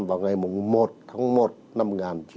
vào ngày một tháng một năm một nghìn chín trăm bốn mươi sáu